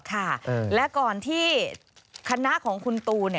ค่ะและก่อนที่คณะของคุณตู